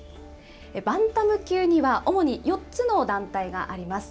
バンタム級には、主に４つの団体があります。